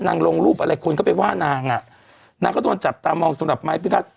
ลงรูปอะไรคนก็ไปว่านางอ่ะนางก็โดนจับตามองสำหรับไม้พิทักษ